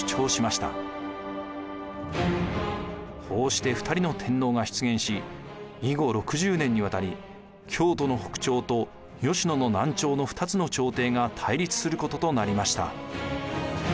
こうして２人の天皇が出現し以後６０年にわたり京都の北朝と吉野の南朝の二つの朝廷が対立することとなりました。